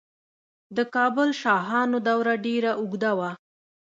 د کابل شاهانو دوره ډیره اوږده وه